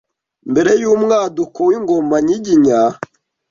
mbere y’umwaduko w’ingoma Nyiginya